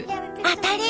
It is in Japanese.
当たり！